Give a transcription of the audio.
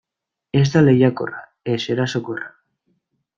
Ez da lehiakorra, ez erasokorra.